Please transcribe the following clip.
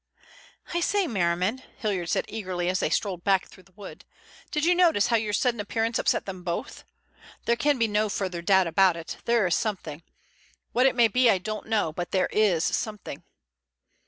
"I say, Merriman," Hilliard said eagerly as they strolled back through the wood, "did you notice how your sudden appearance upset them both? There can be no further doubt about it, there's something. What it may be I don't know, but there is something."